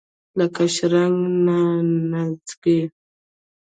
لکه شرنګ نانځکې.